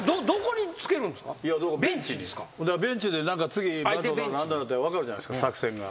ベンチで次バントだなんだって分かるじゃないですか作戦が。